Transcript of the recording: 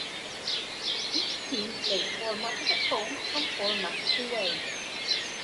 Each team played four matches at home and four matches away.